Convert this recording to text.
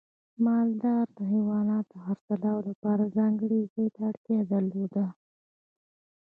مالدار د حیواناتو د خرڅلاو لپاره ځانګړي ځای ته اړتیا درلوده.